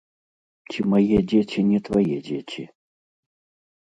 Ці мае дзеці не твае дзеці?